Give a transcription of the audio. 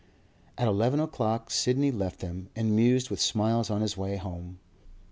At eleven o'clock Sidney left them, and mused with smiles on his way home.